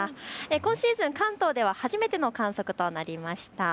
今シーズン、関東では初めての観測となりました。